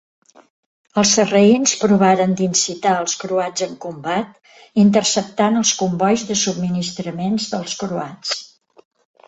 Els sarraïns provaren d'incitar els croats en combat, interceptant els combois de subministraments dels croats.